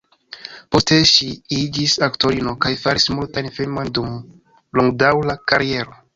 Poste ŝi iĝis aktorino kaj faris multajn filmojn dum longdaŭra kariero.